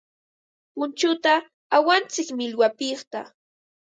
Punchuta awantsik millwapiqta.